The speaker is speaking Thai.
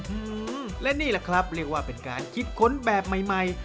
อืมและนี่แหละครับเรียกว่าเป็นการคิดค้นแบบใหม่ใหม่